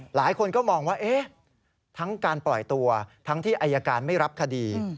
หลายคนก็มองว่าทั้งการปล่อยตัวทั้งที่อายการไม่รับคดี